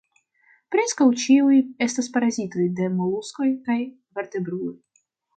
Preskaŭ ĉiuj estas parazitoj de moluskoj kaj vertebruloj.